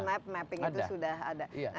mapping itu sudah ada